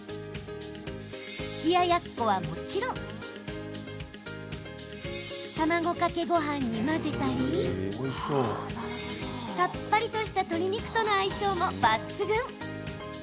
冷ややっこはもちろん卵かけごはんに混ぜたりさっぱりとした鶏肉との相性も抜群。